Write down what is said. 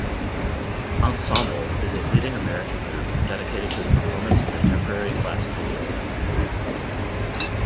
Ensemble is a leading American group dedicated to the performance of contemporary classical music.